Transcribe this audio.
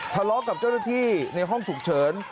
ทะเลาะกับเจ้าหน้าที่ในห้องฉุกเฉิน